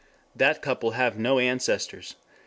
That couple have no ancestors.